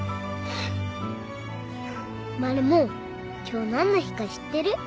マルモ今日何の日か知ってる？